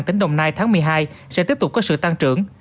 tỉnh đồng nai tháng một mươi hai sẽ tiếp tục có sự tăng trưởng